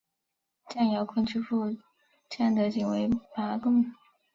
蒋兆鲲之父蒋德璟为拔贡。